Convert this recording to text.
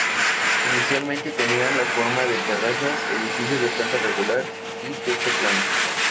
Inicialmente tenían la forma de terrazas, edificios de planta rectangular y techo plano.